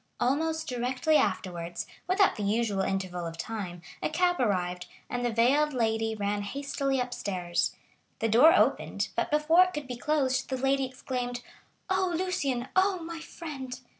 Almost directly afterwards, without the usual interval of time, a cab arrived, and the veiled lady ran hastily upstairs. The door opened, but before it could be closed, the lady exclaimed: "Oh, Lucien—oh, my friend!"